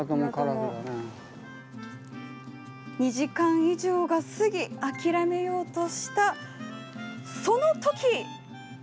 ２時間以上が過ぎ諦めようとした、そのとき！